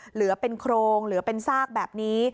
เหลือเป็นโครงเหลือเป็นซากแบบนี้